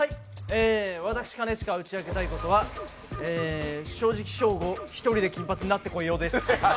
私兼近が打ち明けたいことは正直、ショーゴ１人で金髪になってこいよです。